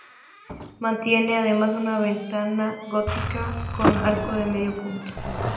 Mantiene, además, una ventana gótica con arco de medio punto.